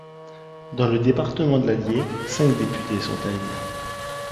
Dans le département de l'Allier, cinq députés sont à élire.